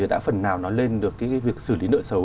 đã phần nào nó lên được việc xử lý nợ xấu